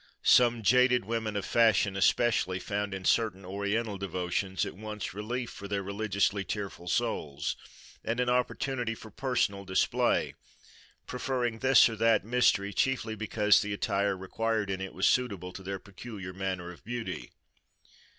Some jaded women of fashion, especially, found in certain oriental devotions, at once relief for their religiously tearful souls and an opportunity for personal display; preferring this or that "mystery," chiefly because the attire required in it was suitable to their peculiar manner of beauty.